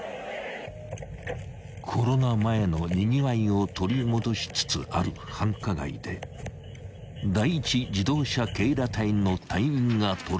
［コロナ前のにぎわいを取り戻しつつある繁華街で第一自動車警ら隊の隊員が捉えたのは］